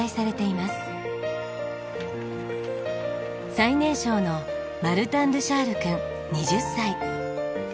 最年少のマルタンルシャール君２０歳。